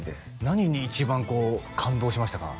何に一番こう感動しましたか？